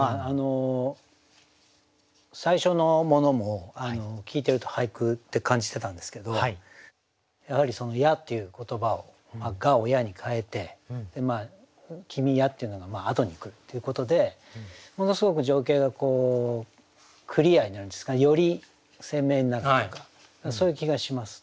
最初のものも聞いてると俳句って感じしてたんですけどやはり「や」っていう言葉を「が」を「や」に変えて「君や」っていうのが後に来るっていうことでものすごく情景がクリアになるんですかねより鮮明になるというかそういう気がします。